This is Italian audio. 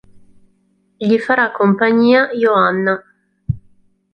Gli farà compagnia Joanna.